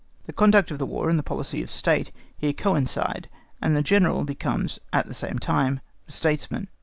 The conduct of the War and the policy of the State here coincide, and the General becomes at the same time the Statesman.